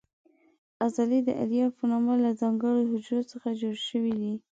عضلې د الیاف په نامه له ځانګړو حجرو څخه جوړې شوې دي.